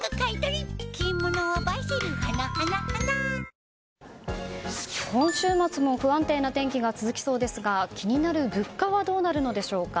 「ＧＯＬＤ」も今週末も不安定な天気が続きそうですが気になる物価はどうなるのでしょうか。